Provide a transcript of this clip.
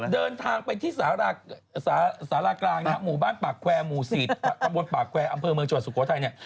เดินทางไปที่สารากลางหมู่บ้านปากแควร์หมู่ศีรตรรรมบลปากแควร์อำเภอเมืองจัวร์สุโขทัย